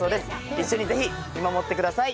一緒にぜひ見守ってください。